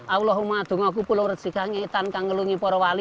allahumma dunga kupul ursikangi tan kangelungi porowali